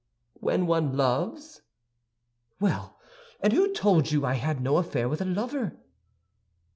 "When one loves." "Well! And who told you I had no affair with a lover?"